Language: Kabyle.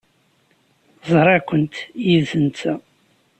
Ẓriɣ-kent yid-s netta.